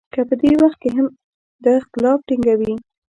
که په دې وخت کې هم دا اختلاف ټینګوي.